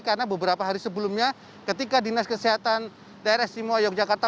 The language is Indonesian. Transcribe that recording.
karena beberapa hari sebelumnya ketika dinas kesehatan daerah istimewa yogyakarta